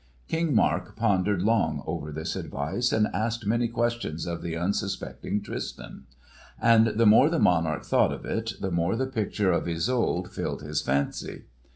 King Mark pondered long over this advice, and asked many questions of the unsuspecting Tristan; and the more the monarch thought of it, the more the picture of Isolde filled his fancy.